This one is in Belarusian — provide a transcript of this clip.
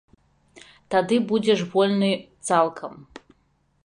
Тады будзеш вольны цалкам!